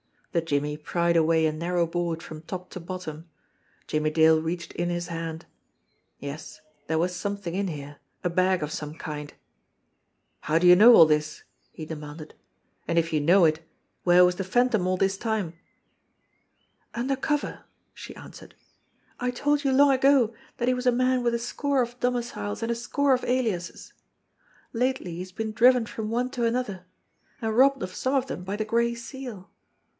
The "jimmy" pried away a narrow board from top to bottom. Jimmie Dale reached in his hand. Yes, there was something in here, a bag of some kind. "How do you know all this ?" he demanded. "And if you know it, where was the Phantom all this time?" "Under cover," she answered. "I told you long ago that he was a man with a score of domiciles and a score of aliases. 120 JIMMIE DALE AND THE PHANTOM CLUE Lately he has been driven from one to another and robbed of some of them by the Gray Seal."